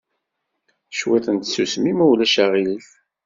Cwiṭ n tsusmi, ma ulac aɣilif.